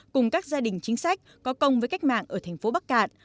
cùng các gia đình chính sách có công với cách mạng ở thành phố bắc cạn